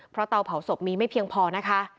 เพราะเตาเผาศพมีไม่เพียงพอนะคะ